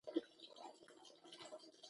چرګان د روغتیا لپاره ارزښتناک خواړه برابروي.